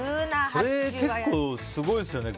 これ結構すごいですよね。